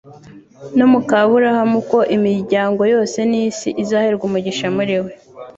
no mu ka Aburahamu ko imiryango yo nn isi izaherwa umugisha muri we.